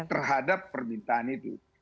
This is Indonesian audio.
terhadap permintaan itu